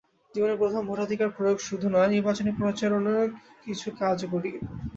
জীবনে প্রথম ভোটাধিকার প্রয়োগ শুধু নয়, নির্বাচনী প্রচারণায় কিছু কাজও করি।